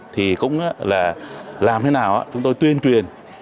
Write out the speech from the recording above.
thì cũng là làm thế nào chúng tôi tuyên truyền